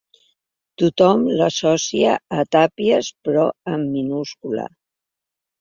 Tothom l'associa a tàpies, però en minúscula.